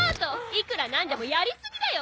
いくら何でもやり過ぎだよ。